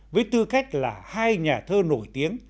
với tư cách là hai nhà thơ nổi tiếng